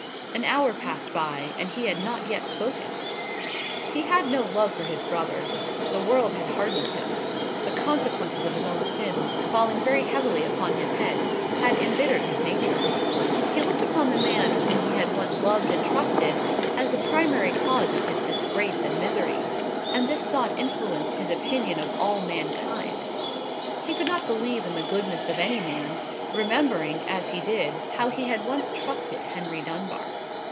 An hour passed by, and he had not yet spoken. He had no love for his brother. The world had hardened him. The consequences of his own sins, falling very heavily upon his head, had embittered his nature. He looked upon the man whom he had once loved and trusted as the primary cause of his disgrace and misery, and this thought influenced his opinion of all mankind. He could not believe in the goodness of any man, remembering, as he did, how he had once trusted Henry Dunbar.